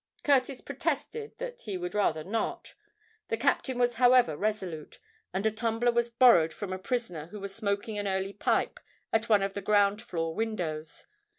Curtis protested that he would rather not;—the captain was however resolute; and a tumbler was borrowed from a prisoner who was smoking an early pipe at one of the ground floor windows.